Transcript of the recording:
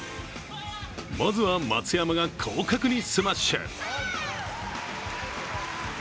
まずは松山が広角にスマッシュ。